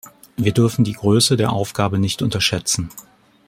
Wir dürfen die Größe der Aufgabe nicht unterschätzen.